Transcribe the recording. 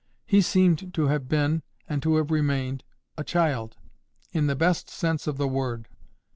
He seemed to have been, and to have remained, a child, in the best sense of the word.